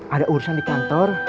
ada urusan di kantor